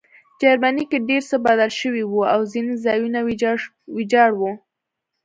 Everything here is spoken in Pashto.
جرمني کې ډېر څه بدل شوي وو او ځینې ځایونه ویجاړ وو